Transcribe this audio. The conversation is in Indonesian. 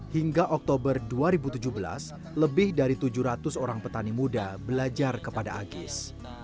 hingga oktober dua ribu tujuh belas lebih dari tujuh ratus orang petani muda belajar kepada agis